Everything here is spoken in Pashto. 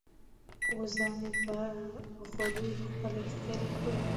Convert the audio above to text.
وزه مې په غرور خپلې ښکرې ښوروي.